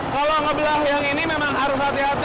kalau ngebelah yang ini memang harus hati hati